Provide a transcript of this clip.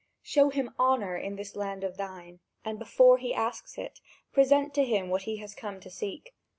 Show him honour in this land of thine, and before he asks it, present to him what he has come to seek.